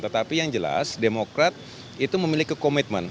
tetapi yang jelas demokrat itu memiliki komitmen